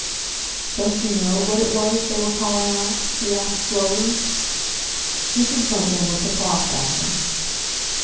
"Don't you know what it was they were calling out?" he asked slowly. Mrs. Bunting looked across at him.